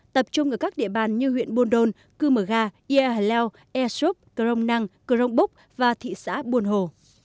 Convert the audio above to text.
tập trung ở các địa bàn như huyện buồn đôn cư mở gà ia hà leo aesop cờ rông năng cờ rông bốc và thị xã buồn hồ